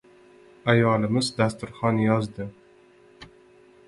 Ayolimiz dasturxon yozdi.